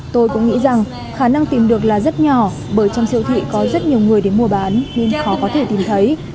tôi cũng nghĩ rằng khả năng tìm được là rất nhỏ bởi trong siêu thị có rất nhiều người đến mua bán nên khó có thể tìm thấy